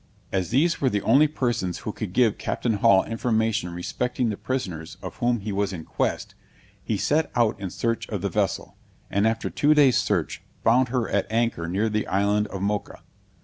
As these were the only persons who could give Captain Hall information respecting the prisoners of whom he was in quest, he set out in search of the vessel, and after two days' search, found her at anchor near the island of Mocha.